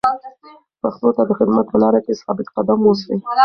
پښتو ته د خدمت په لاره کې ثابت قدم اوسئ.